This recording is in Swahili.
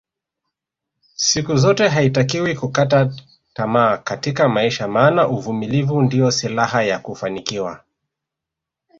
Siku zote haitakiwi kukata tamaa Katika maisha maana uvumilivu ndio silaha ya kufanikiwa